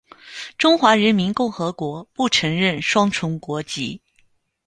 中华人民共和国不承认双重国籍。